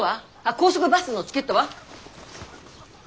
高速バスのチケットは？